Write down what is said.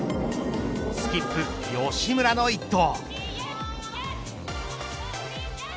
スキップ、吉村の１投。